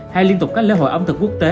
hay liên tục các lễ hội ẩm thực quốc tế